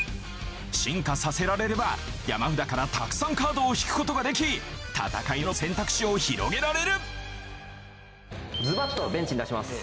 進化させられれば山札からたくさんカードを引くことができ戦いの選択肢を広げられるズバットベンチに出します。